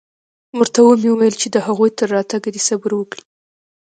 ورته مې وويل چې د هغوى تر راتگه دې صبر وکړي.